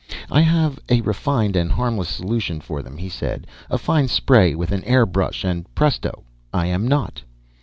"I have a refined and harmless solution for them," he said. "A fine spray with an air brush, and presto! I am not."